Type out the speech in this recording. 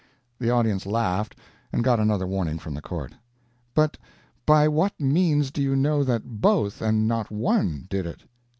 The audience laughed, and got another warning from the court. "But by what means do you know that both, and not one, did it?"